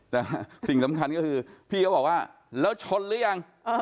แต่สิ่งสำคัญก็คือพี่เขาบอกว่าแล้วชนหรือยัง